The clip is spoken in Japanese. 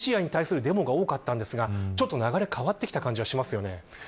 侵攻が始まった最初はロシアに対するデモが多かったのですがちょっと流れが変わってきた感じがします。